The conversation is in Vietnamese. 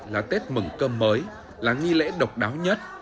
là tết mừng cơm mới là nghi lễ độc đáo nhất